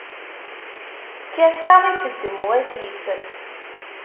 Kkateɣ, iteddem wasif.